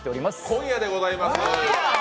今夜でございます。